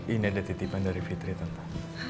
ini ada titipan dari fitri tentang